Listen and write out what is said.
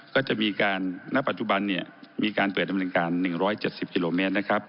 ก็จะมีการณปัจจุบันเนี่ยมีการเปิดดำเนินการ๑๗๐กิโลเมตรนะครับ